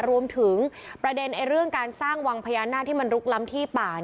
รวมถึงประเด็นเรื่องการสร้างวังพญานาคที่มันลุกล้ำที่ป่า